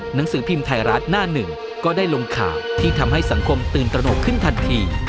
หนังสือพิมพ์ไทยรัฐหน้าหนึ่งก็ได้ลงข่าวที่ทำให้สังคมตื่นตระหนกขึ้นทันที